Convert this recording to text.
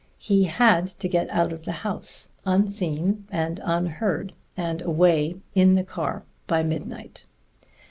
_He had to get out of the house, unseen and unheard, and away in the car by midnight.